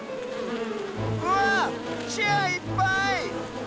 うわっチェアいっぱい！